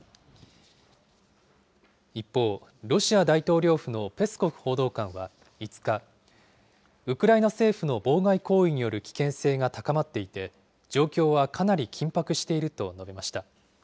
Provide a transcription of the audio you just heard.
一方、ロシア大統領府のペスコフ報道官は５日、ウクライナ政府の妨害行為による危険性が高まっていて、状況はかなり緊迫していると述べました。